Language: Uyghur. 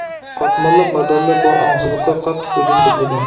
قاتماللىق، نادانلىق ۋە ئاڭسىزلىققا قاتتىق ھۇجۇم قوزغىدى.